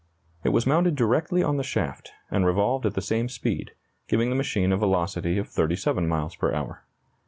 It was mounted directly on the shaft, and revolved at the same speed, giving the machine a velocity of 37 miles per hour.